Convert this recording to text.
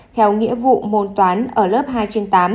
theo nghĩa vụ môn toán ở lớp hai trên tám